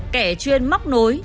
kẻ chuyên móc nối